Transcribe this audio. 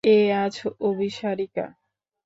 এ আজ অভিসারিকা।